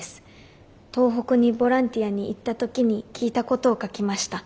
東北にボランティアに行った時に聞いたことを描きました。